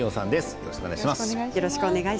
よろしくお願いします。